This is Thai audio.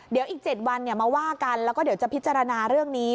เดี๋ยวอีก๗วันมาว่ากันแล้วก็เดี๋ยวจะพิจารณาเรื่องนี้